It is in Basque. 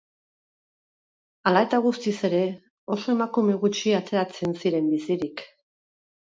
Ala eta guztiz ere, oso emakume gutxi ateratzen ziren bizirik.